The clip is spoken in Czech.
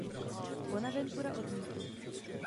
Bonaventura odmítl.